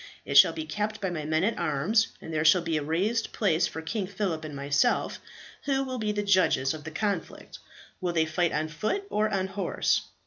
It shall be kept by my men at arms, and there shall be a raised place for King Phillip and myself, who will be the judges of the conflict. Will they fight on foot or on horse?"